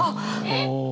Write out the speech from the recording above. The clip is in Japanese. えっ！